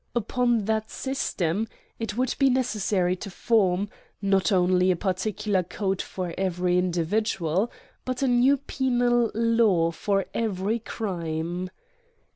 Upon that system it would be necessary to form, not only a particular code for every individual, but a new penal law for every crime.